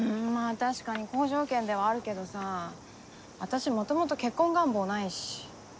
確かに好条件ではあるけどさ私もともと結婚願望ないし。